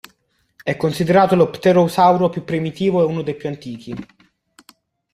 È considerato lo pterosauro più primitivo, e uno dei più antichi.